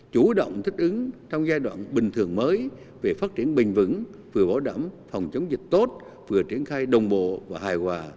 chủ động thích ứng trong giai đoạn bình thường mới về phát triển bình vững vừa bảo đảm phòng chống dịch tốt vừa triển khai đồng bộ và hài hòa